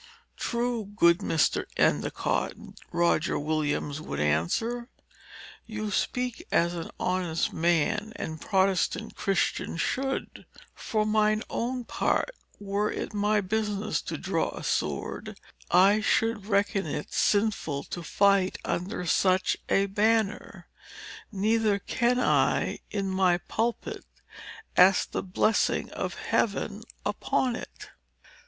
"Truly, good Mr. Endicott," Roger Williams would answer, "you speak as an honest man and Protestant Christian should. For mine own part, were it my business to draw a sword, I should reckon it sinful to fight under such a banner. Neither can I, in my pulpit, ask the blessing of Heaven upon it."